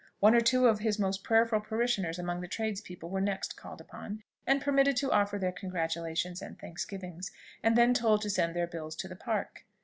One or two of his most prayerful parishioners among the tradespeople were next called upon, and permitted to offer their congratulations and thanksgivings, and then told to send their bills to the Park.